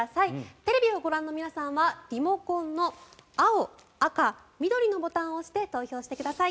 テレビをご覧の皆さんはリモコンの青、赤、緑のボタンを押して投票してください。